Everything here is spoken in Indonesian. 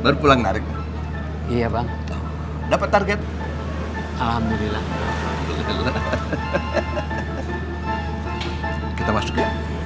baru pulang narik iya bang dapat target alhamdulillah kita masukin